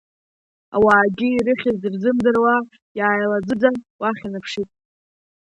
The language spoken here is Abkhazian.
Ауаагьы ирыхьыз рзымдыруа иааилаӡыӡан уахь инаԥшит.